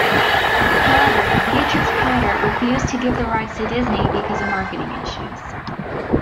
However, Beatrix Potter refused to give the rights to Disney because of marketing issues.